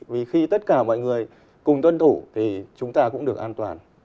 vì khi tất cả mọi người cùng tuân thủ thì chúng ta cũng được an toàn